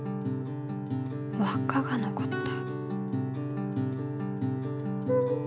わっかが残った。